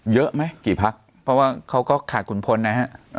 เยอะไหมกี่พักเพราะว่าเขาก็ขาดขุนพลนะฮะ